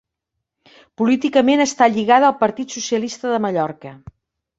Políticament està lligada al Partit Socialista de Mallorca.